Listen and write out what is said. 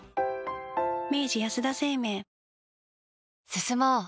進もう。